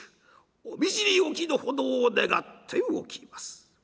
お見知り置きのほどを願っておきます」。